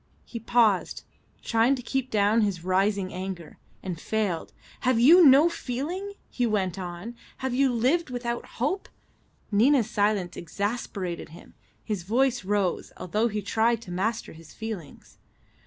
He paused, trying to keep down his rising anger, and failed. "Have you no feeling?" he went on. "Have you lived without hope?" Nina's silence exasperated him; his voice rose, although he tried to master his feelings.